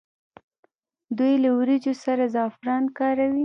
دوی له وریجو سره زعفران کاروي.